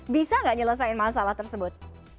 bisa nggak nyelesain masalah tersebut